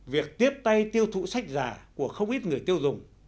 việc tiếp tay tiêu thụ sách giả của không ít người tiêu dùng